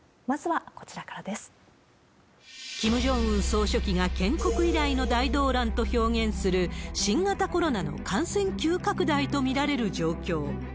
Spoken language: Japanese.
総書記が建国以来の大動乱と表現する、新型コロナの感染急拡大と見られる状況。